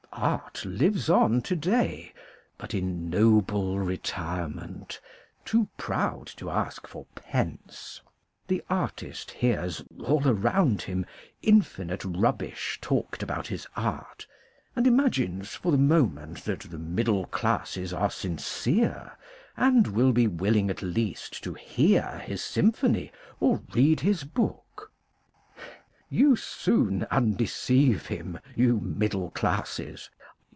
Art lives on to day, but in noble re tirement, too proud to ask for pence. The artist hears all around him infinite rubbish talked about his art, and imagines for the moment that the middle classes are sincere, and will be willing at least to hear his symphony or read his book. You soon undeceive him, you middle classes.